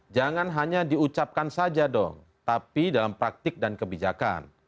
jangan hanya diucapkan saja dong tapi dalam praktik dan kebijakan